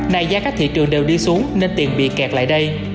nay giá các thị trường đều đi xuống nên tiền bị kẹt lại đây